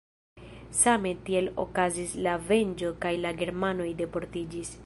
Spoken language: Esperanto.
Same tiel okazis la venĝo kaj la germanoj deportiĝis.